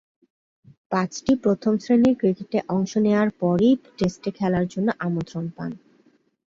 পাঁচটি প্রথম-শ্রেণীর ক্রিকেটে অংশ নেয়ার পরই টেস্টে খেলার জন্য আমন্ত্রণ পান।